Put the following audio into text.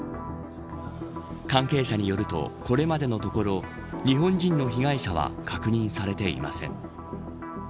関係者によるとこれまでのところ日本人の被害者は確認されていません。